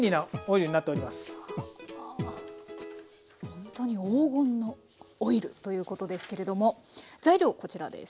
ほんとに黄金のオイルということですけれども材料こちらです。